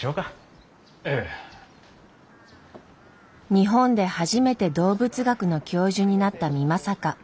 日本で初めて動物学の教授になった美作。